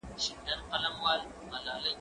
زه هره ورځ د ښوونځی لپاره تياری کوم!.